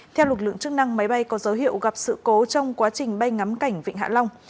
theo lực lượng chức năng máy bay có dấu hiệu gặp sự cố trong quá trình bay ngắm cảnh vịnh hạ long